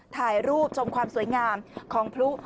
ถ่ายรูปชมความสวยงามของพลุ